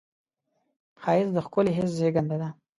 ښایست د ښکلي حس زېږنده ده